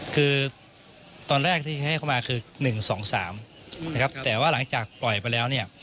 คือตอนแรกที่ให้เข้ามาคือ๑๒๓นะครับแต่ว่าหลังจากปล่อยไปแล้วเนี่ย